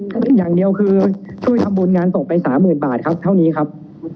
ไม่มีครับผมให้อย่างเดียวคือช่วยทำบุญงานส่งไป๓๐๐๐๐บาทครับเท่านี้ครับ